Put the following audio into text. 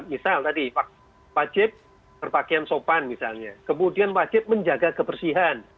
misal tadi wajib berpakaian sopan misalnya kemudian wajib menjaga kebersihan